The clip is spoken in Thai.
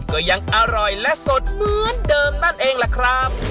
ก็ยังอร่อยและสดเหมือนเดิมนั่นเองล่ะครับ